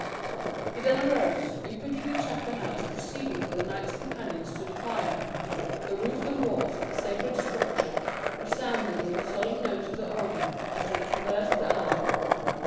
He then arose, and quitting the chapter house, proceeded with the knights companions to the choir the roof and walls of the sacred structure resounding with the solemn notes of the organ as they traversed the aisle.